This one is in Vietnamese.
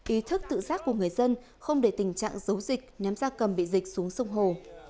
ý thức tự giác của người dân không để tình trạng dấu dịch nhắm ra cầm bị dịch xuống sông hồ